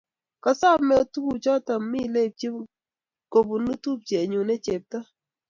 koosome tukuchoto mileibich kobunu tupchenyu ne chepto